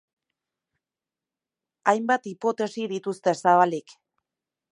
Hainbat hipotesi dituzte zabalik.